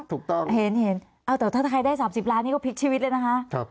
ถูกต้องเห็นเอาแต่ถ้าใครได้๓๐ล้านนี่ก็พลิกชีวิตเลยนะคะ